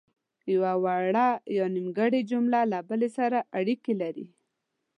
یوه وړه یا نیمګړې جمله له بلې سره اړیکې لري.